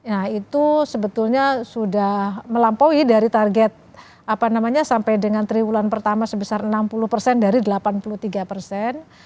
nah itu sebetulnya sudah melampaui dari target apa namanya sampai dengan triwulan pertama sebesar enam puluh persen dari delapan puluh tiga persen